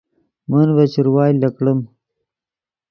من ڤے چروائے لکڑیم